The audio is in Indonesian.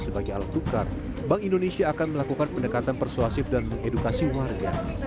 sebagai alat tukar bank indonesia akan melakukan pendekatan persuasif dan mengedukasi warga